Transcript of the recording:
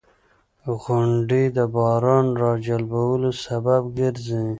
• غونډۍ د باران راجلبولو سبب ګرځي.